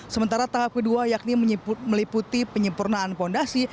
sementara tahap kedua yakni meliputi penyempurnaan fondasi